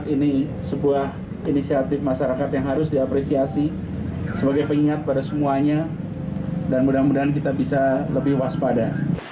ini sebuah inisiatif masyarakat yang harus diapresiasi sebagai pengingat pada semuanya dan mudah mudahan kita bisa lebih waspada